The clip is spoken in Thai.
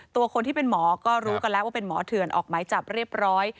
ตัวคนที่เป็นหมอก็รู้กันแล้วว่าเป็นหมอเถื่อนออกหมายจับเรียบร้อย